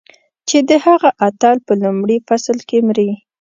چې د هغه اتل په لومړي فصل کې مري.